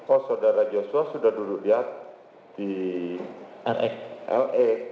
oh saudara joshua sudah duduk di atas di lx